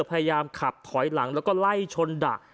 พยายามขับถอยหลังแล้วก็ไล่ชนดะ